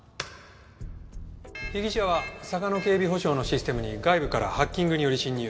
被疑者はサガノ警備保障のシステムに外部からハッキングにより侵入。